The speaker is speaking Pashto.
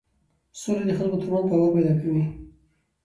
سوله د خلکو ترمنځ باور پیدا کوي